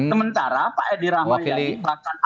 sementara pak edi rahmi yassin bahkan ahok sekalipun itu tidak